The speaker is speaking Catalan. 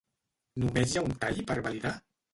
Només hi ha un tall per validar?